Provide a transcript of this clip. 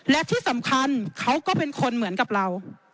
และที่สำคัญเขาก็เป็นคนเหมือนกับเรา